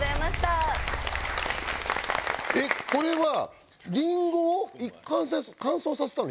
えっこれはりんごを乾燥させたの？